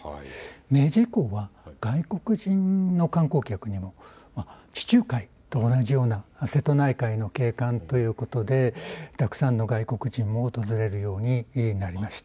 明治以降は外国人の観光客にも地中海と同じような瀬戸内海の景観ということでたくさんの外国人も訪れるようになりました。